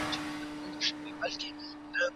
سياستپوهنه کولای سي د واکمنۍ قواعد روښانه کړي.